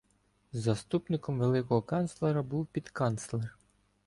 Заступником великого канцлера був підканцлер.